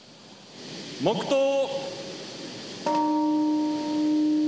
黙とう。